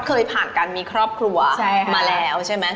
เคยผ่านการมีครอบครัวมาแล้วใช่ไหม